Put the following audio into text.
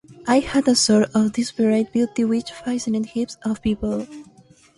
I had a sort of desperate beauty which fascinated heaps of people.